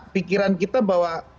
pikiran kita bahwa